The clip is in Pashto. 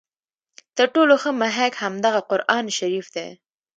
تر ټولو ښه محک همدغه قرآن شریف دی.